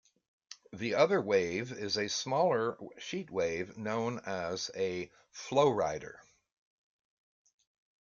The other wave is a smaller sheet wave known as a FlowRider.